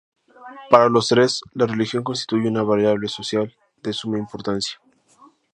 Para los tres, la religión constituye una variable social de suma importancia.